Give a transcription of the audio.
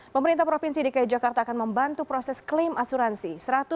pemerintah provinsi dki jakarta akan membantu proses klaim asuransi